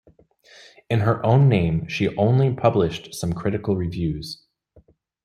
In her own name, she only published some critical reviews.